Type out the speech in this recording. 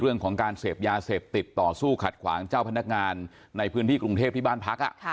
เรื่องของการเสพยาเสพติดต่อสู้ขัดขวางเจ้าพนักงานในพื้นที่กรุงเทพที่บ้านพัก